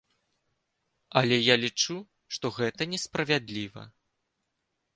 Але я лічу, што гэта несправядліва.